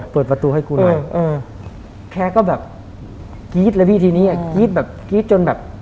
เปิดประตูให้กูหน่อยเออแกก็แบบกรี๊ดเลยพี่ทีนี้อ่ะกรี๊ดแบบกรี๊ดจนแบบ